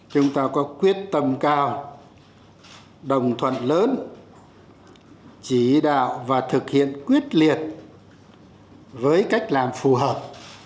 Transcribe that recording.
chúng ta có quyết tâm cao đồng thuận lớn chỉ đạo và thực hiện quyết liệt với cách làm phù hợp